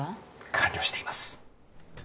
完了しています